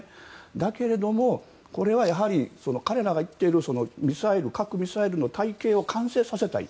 だけれども、これはやはり彼らが言っている核・ミサイルの体系を完成させたい。